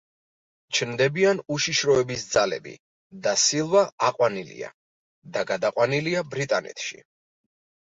ჩნდებიან უშიშროების ძალები და სილვა აყვანილია და გადაყვანილია ბრიტანეთში.